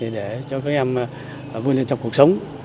để cho các em vui lên trong cuộc sống